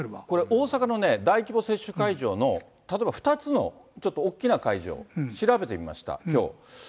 これ、大阪のね、大規模接種会場の、例えば２つのちょっと大きな会場、調べてみました、きょう。